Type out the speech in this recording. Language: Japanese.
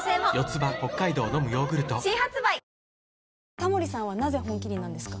タモリさんはなぜ「本麒麟」なんですか？